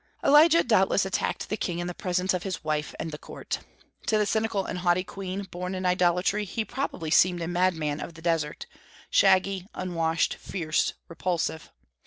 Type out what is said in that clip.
Elijah doubtless attacked the king in the presence of his wife and court. To the cynical and haughty queen, born in idolatry, he probably seemed a madman of the desert, shaggy, unwashed, fierce, repulsive.